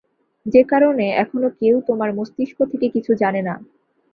যে কারণে এখনো কেউ তোমার মস্তিষ্ক থেকে কিছু জানে না।